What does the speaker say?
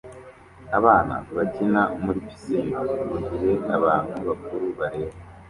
Abana bakina muri pisine mugihe abantu bakuru bareba